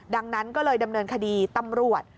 ดังนั้นก็เลยดำเนินคดีตำรวจ